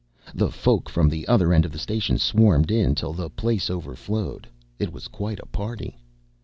The folk from the other end of the station swarmed in till the place overflowed. It was quite a party.